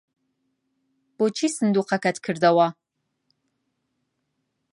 بۆچی سندووقەکەت کردەوە؟